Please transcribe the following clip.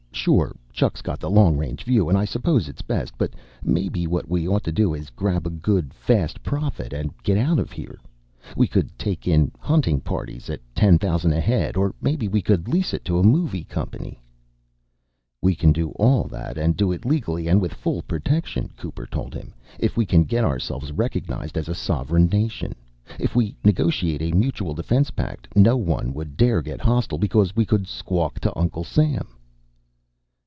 Sure, Chuck's got the long range view and I suppose it's best. But maybe what we ought to do is grab a good, fast profit and get out of here. We could take in hunting parties at ten thousand a head or maybe we could lease it to a movie company." "We can do all that and do it legally and with full protection," Cooper told him, "if we can get ourselves recognized as a sovereign nation. If we negotiate a mutual defense pact, no one would dare get hostile because we could squawk to Uncle Sam."